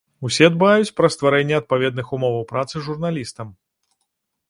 Усе дбаюць пра стварэнне адпаведных умоваў працы журналістам.